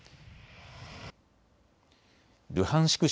ルハンシク